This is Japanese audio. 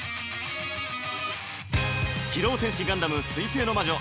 「機動戦士ガンダム水星の魔女」